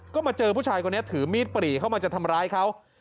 ก็มาเจอผู้ชายคนนี้ถือมีดปรีเข้ามาจะทำร้ายเขา